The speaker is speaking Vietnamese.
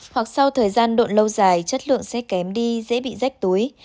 hoặc sau thời gian độ lâu dài chất lượng sẽ kém đi dễ bị rách túi